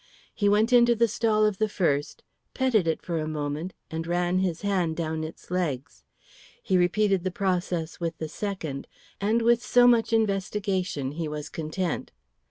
He went into the stall of the first, petted it for a moment and ran his hand down its legs. He repeated the process with the second, and with so much investigation he was content.